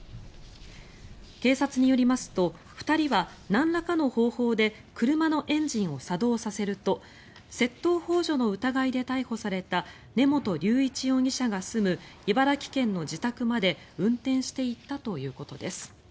警察によりますと２人はなんらかの方法で車のエンジンを作動させると窃盗ほう助の疑いで逮捕された根本龍一容疑者が住む茨城県の自宅まで運転していったということです。